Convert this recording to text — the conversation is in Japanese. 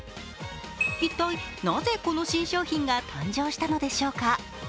一体なぜ、この新商品が誕生したのでしょうか。